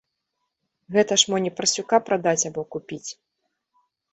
Гэта ж мо не парсюка прадаць або купіць!